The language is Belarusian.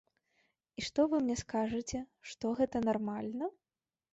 І што вы мне скажаце, што гэта нармальна?!